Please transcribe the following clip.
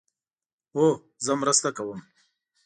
هو، زه مرسته کوم